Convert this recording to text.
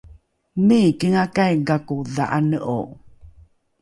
omikingakai gako dha’ane’o?